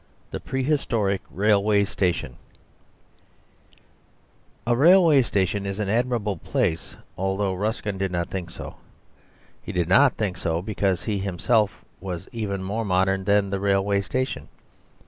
The Prehistoric Railway Station A railway station is an admirable place, although Ruskin did not think so; he did not think so because he himself was even more modern than the railway station.